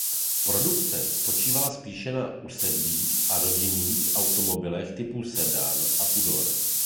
Produkce spočívala spíše na usedlých rodinných automobilech typů sedan a tudor.